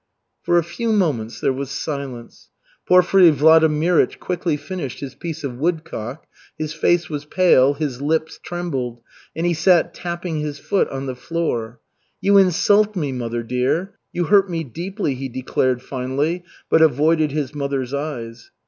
For a few moments there was silence. Porfiry Vladimirych quickly finished his piece of woodcock. His face was pale, his lips trembled, and he sat tapping his foot on the floor. "You insult me, mother dear. You hurt me deeply," he declared, finally, but avoided his mother's eyes.